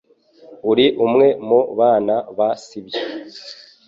Uri umwe mu bana ba si byo